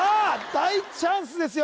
大チャンスですよ